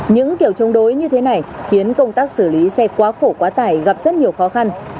những kiểu chống đối như thế này khiến công tác xử lý xe quá khổ quá tải gặp rất nhiều khó khăn